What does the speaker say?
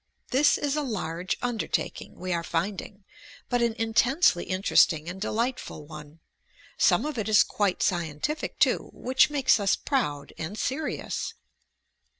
This is a large undertaking, we are finding, but an intensely interesting and delightful one. Some of it is quite scientific, too, which makes us proud and serious.